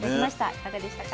いかがでしたか？